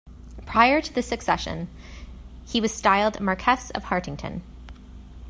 Prior to this succession, he was styled Marquess of Hartington.